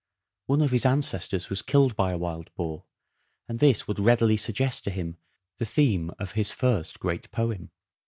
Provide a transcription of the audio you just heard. One of his ancestors was killed by a wild boar, and this would readily suggest to him the theme of his first great poem.